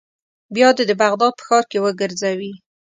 بیا دې د بغداد په ښار کې وګرځوي.